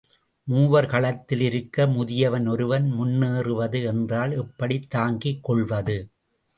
மூவர் களத்தில் இருக்க முதியவன் ஒருவன் முன்னேறு வது என்றால் எப்படித் தாங்கிக் கொள்வது?